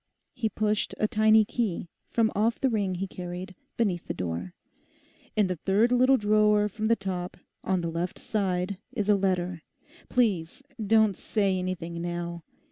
He pushed a tiny key—from off the ring he carried—beneath the door. 'In the third little drawer from the top, on the left side, is a letter; please don't say anything now.